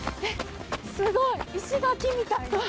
すごい石垣みたいな。